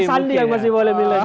cuma sandi yang masih boleh milenial